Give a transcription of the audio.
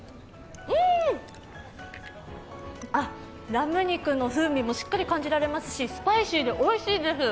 ラム肉の風味もしっかり感じられますしスパイシーでおいしいです。